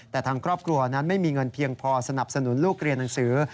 แต่ทางครอบครัวนั้นไม่มีเงินเพียงพอสนับสนุนลูกเรียนหนังสือ